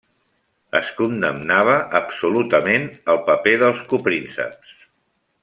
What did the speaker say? Es condemnava absolutament el paper dels coprínceps.